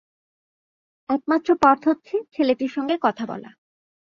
একমাত্র পথ হচ্ছে ছেলেটির সঙ্গে কথা বলা।